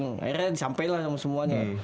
akhirnya disampe lah sama semuanya